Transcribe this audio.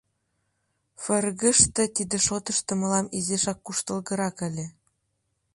ФРГ-ште тиде шотышто мылам изишак куштылгырак ыле.